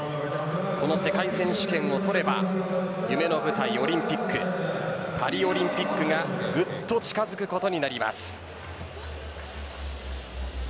この世界選手権を取れば夢の舞台、オリンピックパリオリンピックがぐっと近づくことになります。